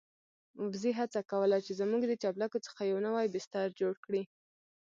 وزې هڅه کوله چې زموږ د چپلکو څخه يو نوی بستر جوړ کړي.